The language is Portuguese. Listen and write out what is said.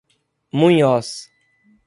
Munhoz